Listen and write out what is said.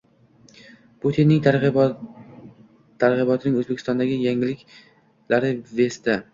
Putinning targ'ibotining O'zbekistondagi yangiliklari Vesti